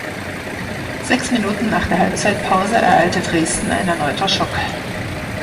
Sechs Minuten nach der Halbzeitpause ereilte Dresden ein erneuter Schock.